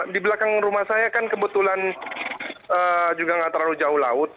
di belakang rumah saya kan kebetulan juga nggak terlalu jauh laut